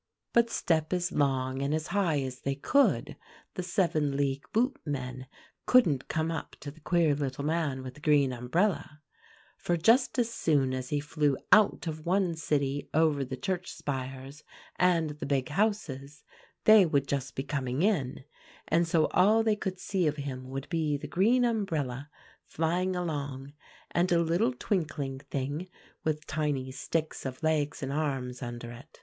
"But step as long and as high as they could, the seven league boot men couldn't come up to the queer little man with the green umbrella; for just as soon as he flew out of one city over the church spires, and the big houses, they would just be coming in, and so all they could see of him would be the green umbrella, flying along, and a little twinkling thing, with tiny sticks of legs and arms, under it.